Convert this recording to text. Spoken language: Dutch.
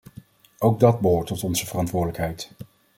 Ook dat behoort tot onze verantwoordelijkheid.